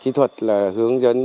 kỹ thuật là hướng dẫn